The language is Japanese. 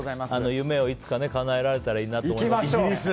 夢をいつかかなえられたらいいなと。